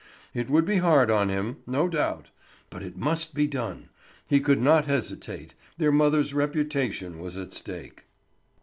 It would be hard on him, no doubt; but it must be done; he could not hesitate; their mother's reputation was at stake.